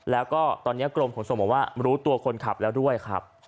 แล้วก็ตอนนี้กรมขนส่งบอกว่ารู้ตัวคนขับแล้วด้วยครับ